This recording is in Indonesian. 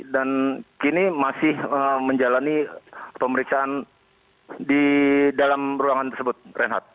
dan kini masih menjalani pemeriksaan di dalam ruangan tersebut renat